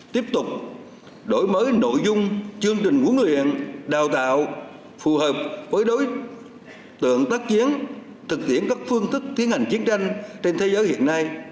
tiếp tục đổi mới nội dung chương trình huấn luyện đào tạo phù hợp với đối tượng tác chiến thực tiễn các phương thức tiến hành chiến tranh trên thế giới hiện nay